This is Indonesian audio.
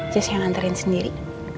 jess yang nantarin sendiri